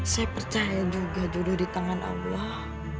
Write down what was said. saya percaya juga duduk di tangan allah